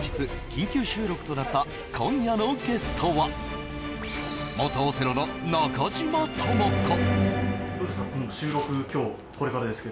緊急収録となった今夜のゲストは元オセロの中島知子。